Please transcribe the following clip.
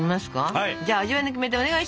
はい！